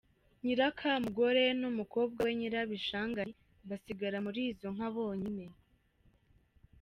Nyirakamugore n’umukobwa we Nyirabishangali, basigara muri izo nka bonyine.